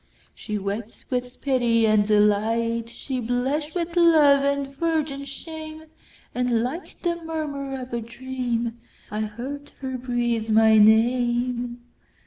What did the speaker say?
She wept with pity and delight, She blush'd with love and virgin shame; And like the murmur of a dream,I heard her breathe my name.